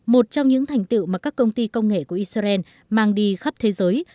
một trong những thành tựu mà các công ty công nghệ của israel mang đi khắp thế giới